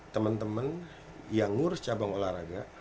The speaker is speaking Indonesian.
temen temen yang ngurus cabang olahraga